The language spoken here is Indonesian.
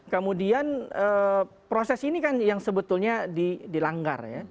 kemudian proses ini kan yang sebetulnya dilanggar ya